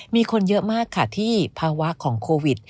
มีคนเยอะมากค่ะที่ภาวะของโควิด